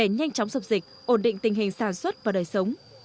nhanh chóng dập dịch ổn định tình hình sản xuất và đời sống